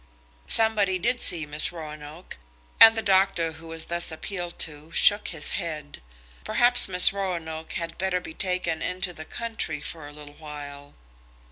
Somebody did see Miss Roanoke, and the doctor who was thus appealed to shook his head. Perhaps Miss Roanoke had better be taken into the country for a little while.